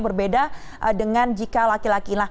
berbeda dengan jika laki laki